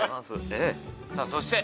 さあそして？